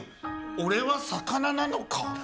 俺は魚なのか？